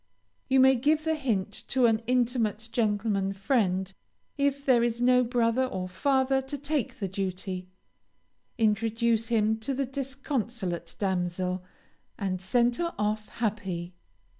You may give the hint to an intimate gentleman friend, if there is no brother or father to take the duty, introduce him to the disconsolate damsel, and send her off happy.